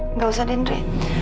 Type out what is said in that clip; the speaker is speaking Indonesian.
enggak usah andri